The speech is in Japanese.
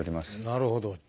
なるほど。